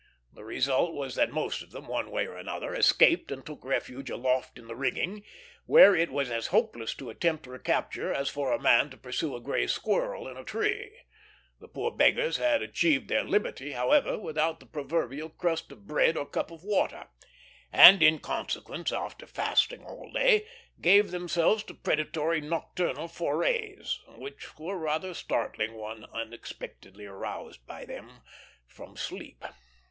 The result was that most of them, one way or another, escaped and took refuge aloft in the rigging, where it was as hopeless to attempt recapture as for a man to pursue a gray squirrel in a tree. The poor beggars had achieved their liberty, however, without the proverbial crust of bread or cup of water; and in consequence, after fasting all day, gave themselves to predatory nocturnal forays, which were rather startling when unexpectedly aroused by them from sleep.